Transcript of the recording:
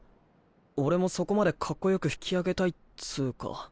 俺もそこまでかっこよく引き上げたいっつぅか。